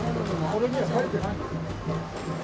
これには書いてないの。